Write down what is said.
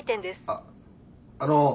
あっあの